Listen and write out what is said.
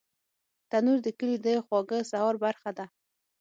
تنور د کلي د خواږه سهار برخه ده